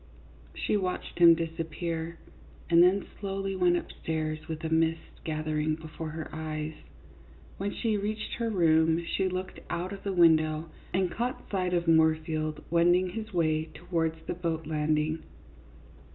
She watched him disappear, and then slowly went up stairs, with a mist gathering before her eyes. When she reached her room she looked out of the window and caught sight of Moorfield wending his way towards the boat landing.